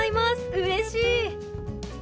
うれしい！